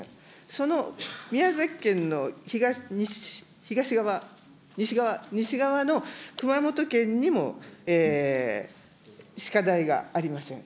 その宮崎県の東側、西側、西側の熊本県にも歯科大がありません。